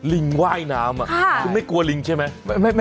ลิงว่ายน้ำคุณไม่กลัวลิงใช่ไหม